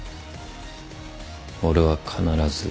俺は必ず